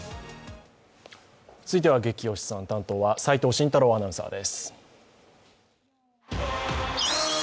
続いては「ゲキ推しさん」担当は齋藤慎太郎アナウンサーです。